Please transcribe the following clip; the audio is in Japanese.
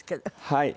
はい。